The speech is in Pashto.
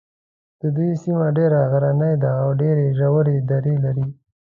د دوی سیمه ډېره غرنۍ ده او ډېرې ژورې درې لري.